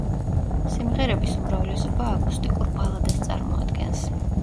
სიმღერების უმრავლესობა აკუსტიკურ ბალადას წარმოადგენს.